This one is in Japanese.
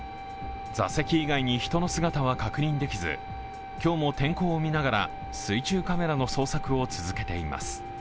座席以外に人の姿は確認できず今日も天候を見ながら水中カメラの捜索を続けています。